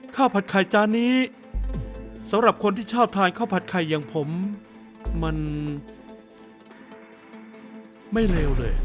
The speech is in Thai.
ผัดไข่จานนี้สำหรับคนที่ชอบทานข้าวผัดไข่อย่างผมมันไม่เลวเลย